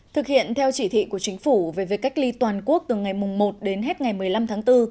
thực hiện theo chỉ thị của chính phủ về việc cách ly toàn quốc từ ngày một đến hết ngày một mươi năm tháng bốn